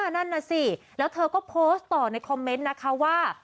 นั่นน่ะสิแล้วเธอก็โพสต์ต่อในคอมเมนต์นะคะว่า